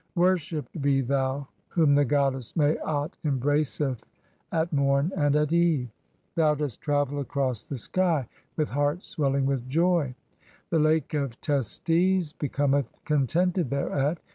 Worshipped be thou whom the goddess Maat "embraceth at morn and at eve. Thou dost travel across the sky "with heart swelling with joy; the Lake of Testes (?) (11) be "cometh contented thereat.